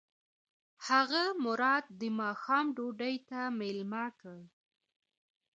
هغه مراد د ماښام ډوډۍ ته مېلمه کړ.